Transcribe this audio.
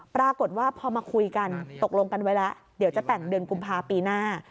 ปรากฏว่าพอมาคุยกันตกลงกันไว้แล้วเดี๋ยวจะแต่งเดือนกุมภาปีหน้า